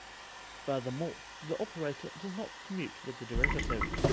Furthermore, the operator does not commute with the derivative.